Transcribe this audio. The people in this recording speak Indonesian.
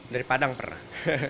dari padang pernah